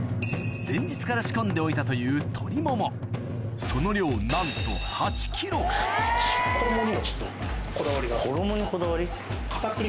前日から仕込んでおいたという鶏ももその量なんと衣にこだわり？